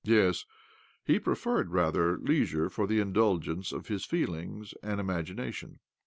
Yes, he preferred, rather, leisure for the indulgence of his feelings and imagi nation.